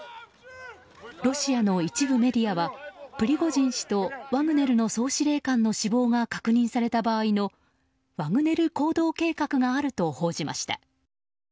ロシアの一部メディアはプリゴジン氏とワグネルの総司令官の死亡が確認された場合のワグネル行動計画があると報じました。